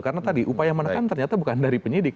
karena tadi upaya menekan ternyata bukan dari penyidik